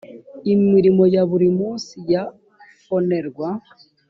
imirimo ya buri munsi ya fonerwa